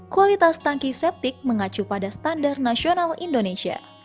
kualitas tangki septik mengacu pada standar nasional indonesia